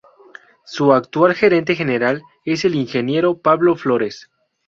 Su actual gerente general es el ingeniero Pablo Flores.